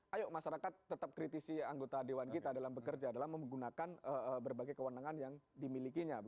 ayo masyarakat tetap kritisi anggota dewan kita dalam bekerja dalam menggunakan berbagai kewenangan yang dimilikinya